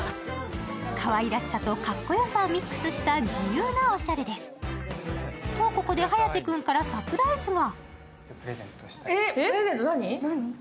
かわいらしさとかっこよさをミックスした自由なおしゃれです。とここで颯君からサプライズが。